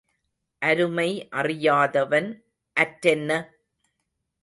அருமை அறியாதவன் அற்றென்ன?